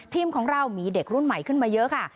ทีมของเรามีเด็กรุ่นใหม่ขึ้นมาเยอะค่ะ